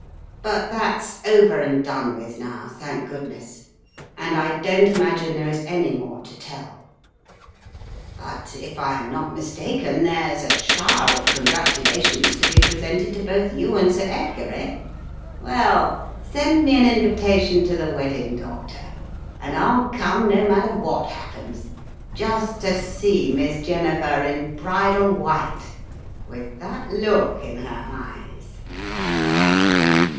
But that's over and done with now, thank goodness, and I don't imagine that there is any more to tell. But if I am not mistaken, there's a shower of congratulations to be presented to both you and Sir Edgar, eh? Well, send me an invitation to the wedding, Doctor, and I'll come no matter what happens, just to see Miss Jennifer in bridal white with that look in her eyes."